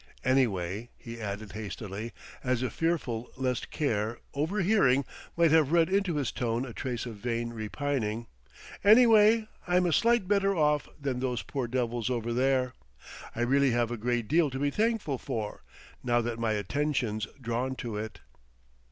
"Anyway," he added hastily, as if fearful lest Care, overhearing, might have read into his tone a trace of vain repining, "anyway, I'm a sight better off than those poor devils over there! I really have a great deal to be thankful for, now that my attention's drawn to it."